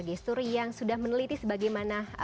pakar gesturi yang sudah meneliti bagaimana